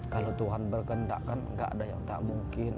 kalau tuhan berkendak kan gak ada yang tak mungkin